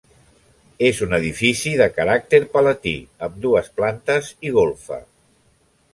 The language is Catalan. És un edifici de caràcter palatí, amb dues plantes i golfa.